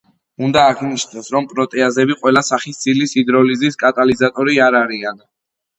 უნდა აღინიშნოს, რომ პროტეაზები ყველა სახის ცილის ჰიდროლიზის კატალიზატორი არ არიან.